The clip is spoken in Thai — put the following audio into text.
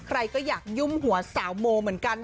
ใครก็อยากยุ่มหัวสาวโมเหมือนกัน